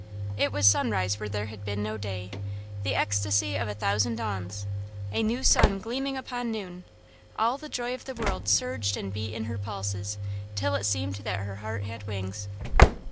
It was sunrise where there had been no day, the ecstasy of a thousand dawns; a new sun gleaming upon noon. All the joy of the world surged and beat in her pulses, till it seemed that her heart had wings.